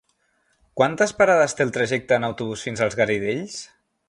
Quantes parades té el trajecte en autobús fins als Garidells?